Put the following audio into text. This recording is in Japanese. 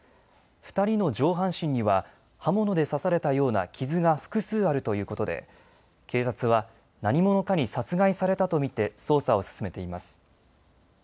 ２人の上半身には刃物で刺されたような傷が複数あるということで警察は何者かに殺害されたと見て捜査を進めています。